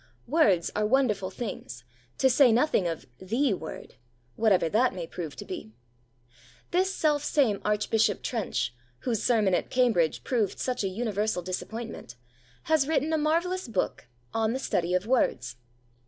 Words are wonderful things, to say nothing of 'the Word' whatever that may prove to be. This selfsame Archbishop Trench, whose sermon at Cambridge proved such a universal disappointment, has written a marvellous book On the Study of Words.